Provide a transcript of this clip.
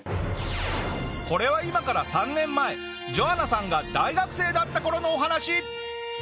これは今から３年前ジョアナさんが大学生だった頃のお話。